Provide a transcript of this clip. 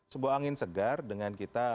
sebuah angin segar dengan kita